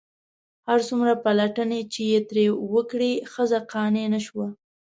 هر څومره پلټنې چې یې ترې وکړې ښځه قانع نه شوه.